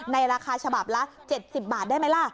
ราคาฉบับละ๗๐บาทได้ไหมล่ะ